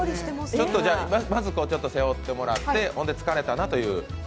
まず背負ってもらって、疲れたなという。